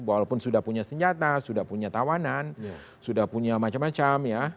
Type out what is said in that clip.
walaupun sudah punya senjata sudah punya tawanan sudah punya macam macam ya